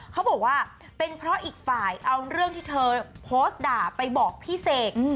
เขาบอกว่าเป็นเพราะอีกฝ่ายเอาเรื่องที่เธอโพสต์ด่าไปบอกพี่เสก